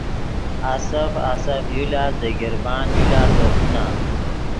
آسف آسف یو لاست دے گیربان یو لاست دے خونہ